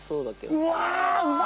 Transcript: うわ！